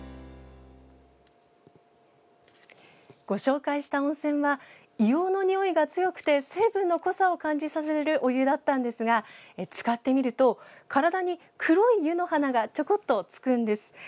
ご紹介した温泉は硫黄のにおいが強くて成分の濃さを感じさせるお湯だったんですがつかってみると体に黒い湯の花がちょこっとつくんです。